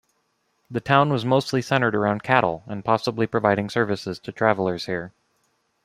The town was mostly centered around cattle and possibly providing services to travelers here.